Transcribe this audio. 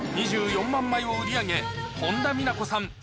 ２４万枚を売り上げ本田美奈子．さん